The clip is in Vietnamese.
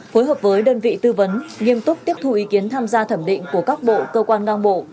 phối hợp với đơn vị tư vấn nghiêm túc tiếp thu ý kiến tham gia thẩm định của các bộ cơ quan ngang bộ